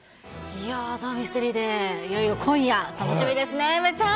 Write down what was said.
ザ・ミステリー・デイ、いよいよ今夜、楽しみですね、梅ちゃん。